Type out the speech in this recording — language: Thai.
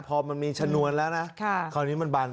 ไปทำเขาที่บ้าน